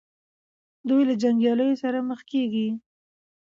دوی له جنګیالیو سره مخ کیږي.